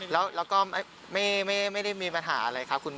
แล้วก็ไม่ได้มีปัญหาอะไรครับ